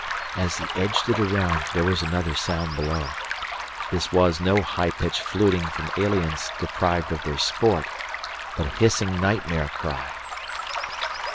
As he edged it around, there was another sound below. This was no high pitched fluting from aliens deprived of their sport, but a hissing nightmare cry.